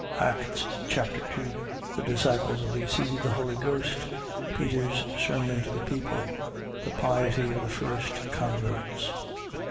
Acts Chapter 2 The disciples receive the Holy Ghost. Peter's sermon to the people. The piety of the first converts.